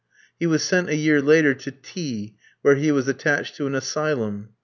He was sent a year later to T k, where he was attached to an asylum.